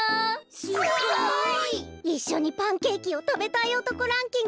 すごい！いっしょにパンケーキをたべたいおとこランキング